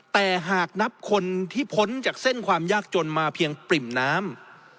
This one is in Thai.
แต่หากนับคนที่พ้นจากเส้นความยากจนมาเพียงปริ่มน้ำ